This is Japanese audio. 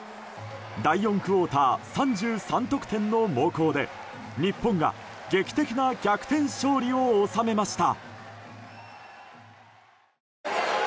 第４クオーター３３得点の猛攻で日本が劇的な逆転勝利を収めました。